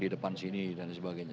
di depan sini dan sebagainya